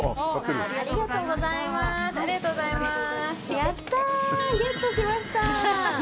ありがとうございます！